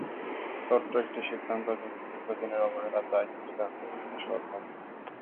ছোট্ট একটি সিদ্ধান্ত, কিন্তু দীর্ঘদিনের অবহেলার দায় কিছুটা হলেও এতে শোধ হলো।